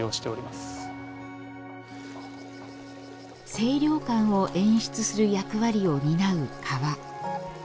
清涼感を演出する役割を担う川。